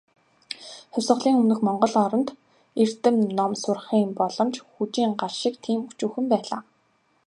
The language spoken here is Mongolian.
Хувьсгалын өмнөх монгол оронд, эрдэм ном сурахын боломж "хүжийн гал" шиг тийм өчүүхэн байлаа.